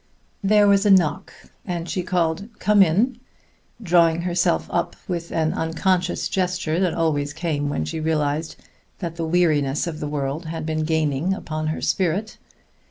There was a knock, and she called, "Come in!" drawing herself up with an unconscious gesture that always came when she realized that the weariness of the world had been gaining upon her spirit.